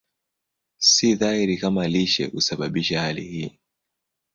Si dhahiri kama lishe husababisha hali hii.